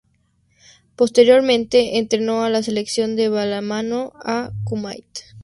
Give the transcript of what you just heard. Posteriormente, entrenó a la Selección de balonmano de Kuwait.